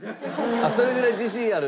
それぐらい自信ある？